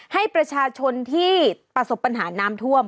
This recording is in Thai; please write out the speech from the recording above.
ให้ประชาชนที่ประสบปัญหาน้ำท่วม